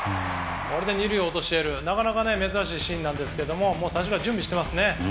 これで２塁を落としてなかなか珍しいシーンなんですが最初から準備してますね。